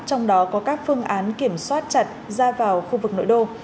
trong đó có các phương án kiểm soát chặt ra vào khu vực nội đô